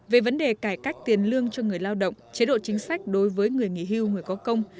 về vấn đề cải cách tiền lương cho người lao động chế độ chính sách đối với người nghỉ hưu người có công